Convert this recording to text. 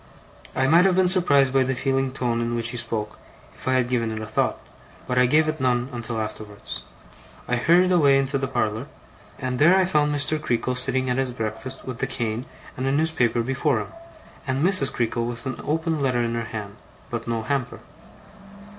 I might have been surprised by the feeling tone in which he spoke, if I had given it a thought; but I gave it none until afterwards. I hurried away to the parlour; and there I found Mr. Creakle, sitting at his breakfast with the cane and a newspaper before him, and Mrs. Creakle with an opened letter in her hand. But no hamper.